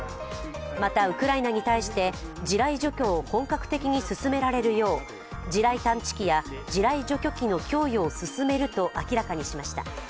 また、ウクライナに対して地雷除去を本格的に進められるよう地雷探知機や地雷除去機の供与を進めると明らかにしました。